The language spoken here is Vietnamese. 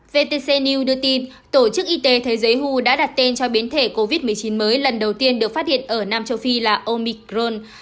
vtc new đưa tin tổ chức y tế thế giới hu đã đặt tên cho biến thể covid một mươi chín mới lần đầu tiên được phát hiện ở nam châu phi là omicron